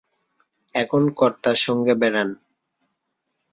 এখন কর্তার সঙ্গে বেড়ান।